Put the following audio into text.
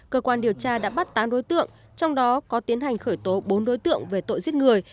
cơ quan điều tra đã bắt tám đối tượng trong đó có tiến hành khởi tố bốn đối tượng về tội giết người